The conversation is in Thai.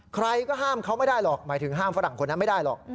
ใครก็ห้ามเขาไม่ได้หรอกหมายถึงห้ามฝรั่งคนนั้นไม่ได้หรอก